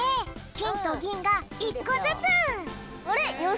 きんとぎんが１こずつ。